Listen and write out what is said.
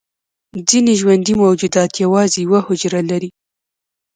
ځینې ژوندي موجودات یوازې یوه حجره لري